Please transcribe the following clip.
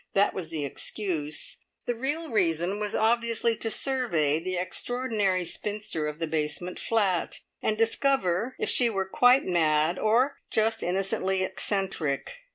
That was the excuse; the real reason was obviously to survey the extraordinary spinster of the basement flat, and discover if she were quite mad or just innocently eccentric.